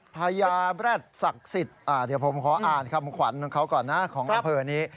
พญาแร็ดศักดิ์สิทธิ์เดี๋ยวผมขออ่านคำขวัญของเขาก่อนนะของอำเภอนี้